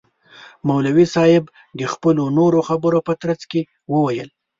مولوی صاحب د خپلو نورو خبرو په ترڅ کي وویل.